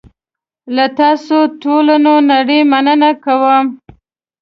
له تاسوټولونړۍ مننه کوم .